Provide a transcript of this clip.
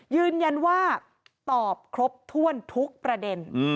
ยืนยันว่าตอบครบถ้วนทุกประเด็น